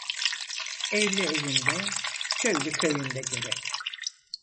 Evli evinde köylü köyünde gerek.